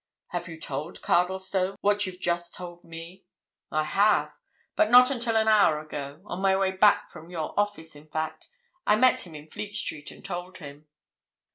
"Have you told Cardlestone what you've just told me?" "I have. But not until an hour ago—on my way back from your office, in fact. I met him in Fleet Street and told him."